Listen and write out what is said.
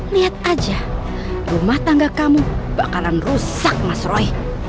lihat aja rumah tangga kamu bakalan rusak mas roy